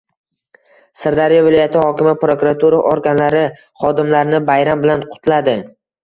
Sirdaryo viloyati hokimi prokuratura organlari xodimlarini bayram bilan qutladi